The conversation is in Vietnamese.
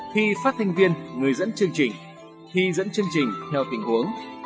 khi phát thanh viên người dẫn chương trình thi dẫn chương trình theo tình huống